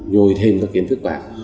nhồi thêm các kiến thức bạn